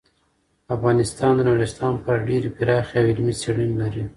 افغانستان د نورستان په اړه ډیرې پراخې او علمي څېړنې لري.